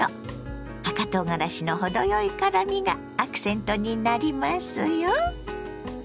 赤とうがらしの程よい辛みがアクセントになりますよ。